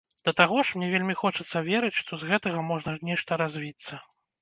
Да таго ж, мне вельмі хочацца верыць, што з гэтага можа нешта развіцца.